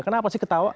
kenapa sih ketawa